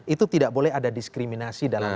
itu tidak boleh ada diskriminasi dalam